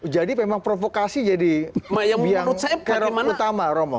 jadi memang provokasi jadi yang utama romo